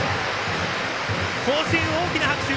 甲子園、大きな拍手。